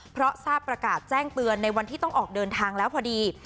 เพราะทราบประกาศแจ้งเตือนในวันที่ต้องออกเดินทางแล้วพอดี